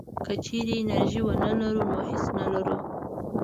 که چېرې انرژي ونه لرو نو هېڅ نه لرو.